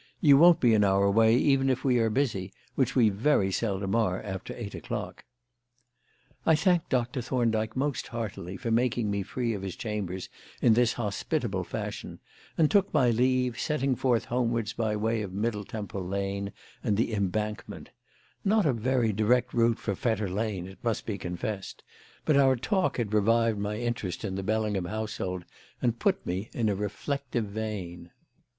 You won't be in our way even if we are busy, which we very seldom are after eight o'clock." I thanked Dr. Thorndyke most heartily for making me free of his chambers in this hospitable fashion and took my leave, setting forth homewards by way of Middle Temple Lane and the Embankment; not a very direct route for Fetter Lane, it must be confessed; but our talk had revived my interest in the Bellingham household and put me in a reflective vein.